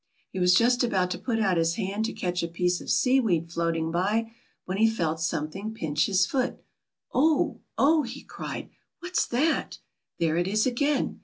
He was just about to put out his hand to catch a piece of seaweed fioating by, when he felt something pinch his foot. ^^Oh, oh!'' he cried, ^Vhat's that?" There it is, again."